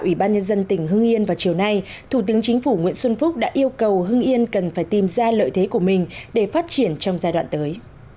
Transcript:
ủy ban nhân dân tỉnh hưng yên vào chiều nay thủ tướng chính phủ nguyễn xuân phúc đã yêu cầu hưng yên cần phải tìm ra lợi thế của mình để phát triển trong giai đoạn tới